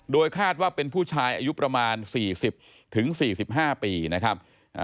โดยคาดว่าเป็นผู้ชายอายุประมาณ๔๐๔๕ปีนะครับ